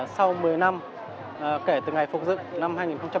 sau một mươi năm kể từ ngày phục dựng năm hai nghìn bảy